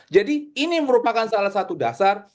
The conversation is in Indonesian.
jadi ini merupakan salah satu dasar